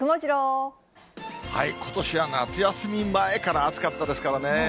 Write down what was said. ことしは夏休み前から暑かったですからね。